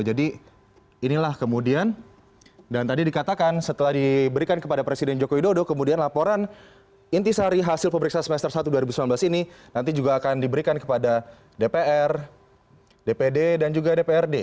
jadi inilah kemudian dan tadi dikatakan setelah diberikan kepada presiden joko widodo kemudian laporan intisari hasil pemeriksa semester satu dua ribu sembilan belas ini nanti juga akan diberikan kepada dpr dpd dan juga dprd